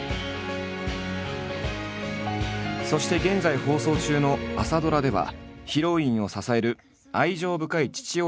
そして現在放送中の朝ドラではヒロインを支える愛情深い父親を演じる。